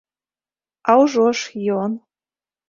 А ўжо ж, ён.